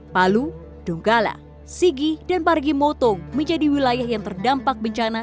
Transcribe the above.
palu donggala sigi dan pargi motong menjadi wilayah yang terdampak bencana